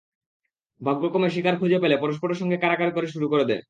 ভাগ্যক্রমে শিকার খুঁজে পেলে পরস্পরের সঙ্গে কাড়াকাড়ি করে শুরু করে দেয়।